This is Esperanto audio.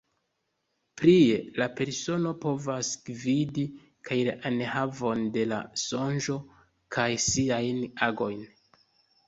Plie la persono povas gvidi kaj la enhavon de la sonĝo kaj siajn agojn.